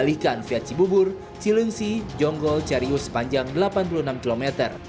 jalan ini berjalan dengan jalan via cibubur cilungsi jonggol cerius sepanjang delapan puluh enam km